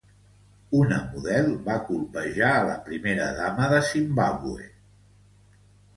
Una model va colpejar a la primera dama de Zimbàbue